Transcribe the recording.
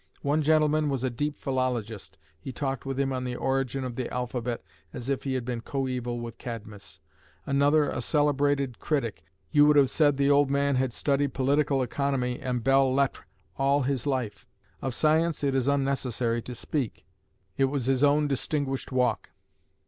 One gentleman was a deep philologist, he talked with him on the origin of the alphabet as if he had been coeval with Cadmus; another, a celebrated critic, you would have said the old man had studied political economy and belles lettres all his life; of science it is unnecessary to speak, it was his own distinguished walk.